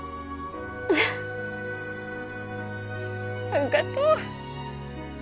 あっがとう。